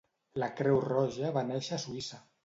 La Creu Roja va néixer a Suïssa.